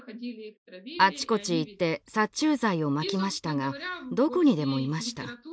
あちこち行って殺虫剤をまきましたがどこにでもいました。